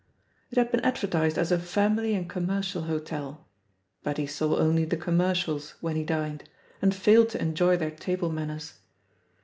It had been advertised as a "Family and Com mercial Hotel," but he saw only the commercials when he dined, and failed to enjoy their table manners.